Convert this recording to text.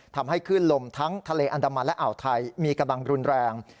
ทำให้คลื่นลมทั้งทะเลอันดามันและอ่าวไทยมีกำลังรุนแรง